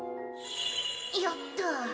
よっと。